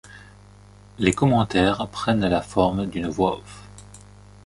Les commentaires prennent la forme d’une voix off.